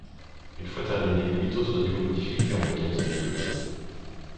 Une fois terminés, huit autres niveaux, de difficulté moyenne, sont débloqués.